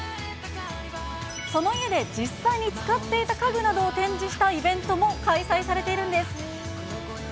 その家で実際に使っていた家具などを展示したイベントも開催されているんです。